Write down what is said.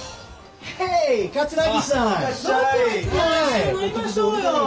一緒に飲みましょうよ。